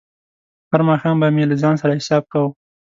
هر ماښام به مې له ځان سره حساب کاوه.